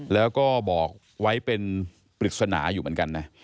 แล้วก็บอกไว้เป็นปริศนาอยู่เหมือนกันนะ